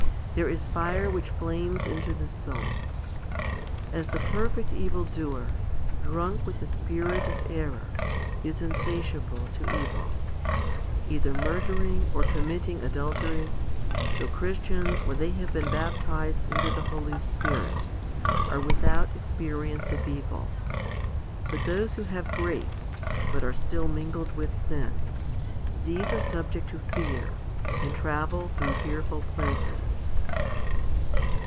There is fire which flames into the soul. As the 'perfect evildoer, drunk with the spirit of error, is insatiable to evil, either murdering, or committing adultery, so Christians, when they have been baptized into the Holy Spirit, are without experience of evil ; but those who have grace, but are still mingled with sin, these are subject to fear, and travel through fearful places.